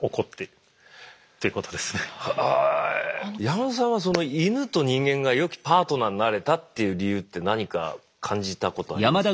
山田さんはそのイヌと人間が良きパートナーになれたという理由って何か感じたことあります？